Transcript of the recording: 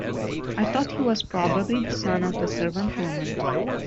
I thought he was probably the son of the servant-woman.